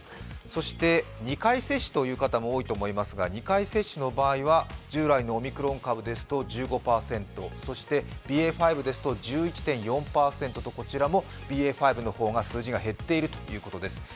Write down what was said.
そして、２回接種という方も多いと思いますが、２回接種の場合は、従来のオミクロン株ですと１５％、そしてＢＡ．５ですと１１．４％、こちらもＢＡ．５の方が数字が減っているということです。